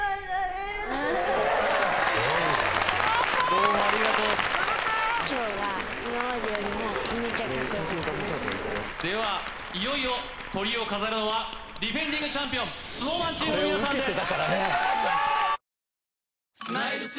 どうもありがとうではいよいよトリを飾るのはディフェンディングチャンピオンＳｎｏｗＭａｎチームの皆さんです